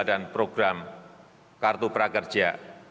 dan program kartu prakerja